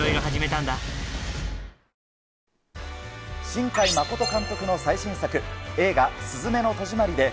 新海誠監督の最新作、映画、すずめの戸締まりで、